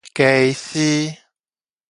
家私